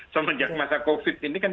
semenjak masa covid ini kan